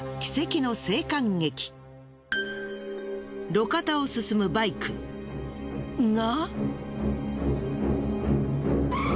路肩を進むバイクが！